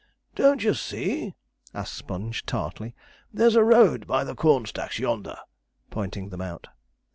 'Don't you see,' asked Sponge tartly, 'there's a road by the corn stacks yonder?' Pointing them out.